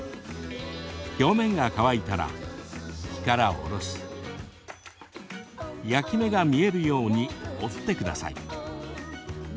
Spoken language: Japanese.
表面が乾いたら、火から下ろし焼き目が見えるように折ってください。